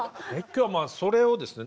今日はまあそれをですね